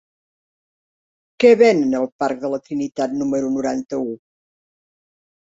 Què venen al parc de la Trinitat número noranta-u?